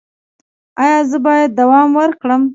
ایا زه باید دوام ورکړم؟